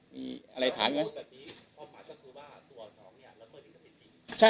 มีอะไรถามนะคุณพูดแบบนี้ความหมายชอบคือว่าตัวน้องเนี่ยละเมื่อนี้ก็เป็นจริง